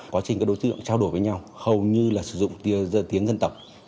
quá trình các đối tượng trao đổi với nhau hầu như là sử dụng tiếng dân tộc